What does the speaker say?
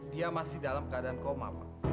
dia masih dalam keadaan koma